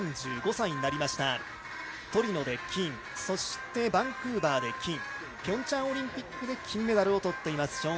３５歳になりました、トリノで金、そしてバンクーバーで金、そしてピョンチャンオリンピックで金メダルを取っています